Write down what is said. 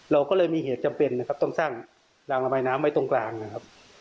เราก็เลยมีเหตุจำเป็นนะครับต้องสร้างรางระบายน้ำไว้ตรงกลางนะครับ